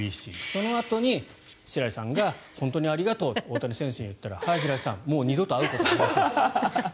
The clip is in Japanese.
そのあとに白井さんが本当にありがとうと大谷選手に言ったらはい、白井さんもう二度と会うことはありません。